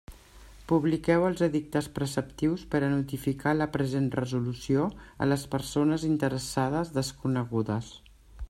Publiqueu els edictes preceptius per a notificar la present resolució a les persones interessades desconegudes.